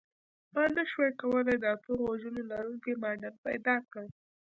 ما نشوای کولی د اتو غوږونو لرونکی ماډل پیدا کړم